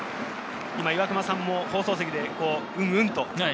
今、岩隈さんも放送席でうん、うんと。